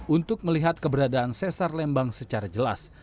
untuk melihat keberadaan sesar lembang secara jelas